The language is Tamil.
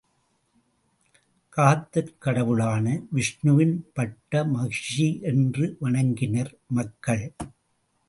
காத்தற் கடவுளான விஷ்ணுவின் பட்ட மகிஷி என்றும் வணங்கினர் மக்கள்.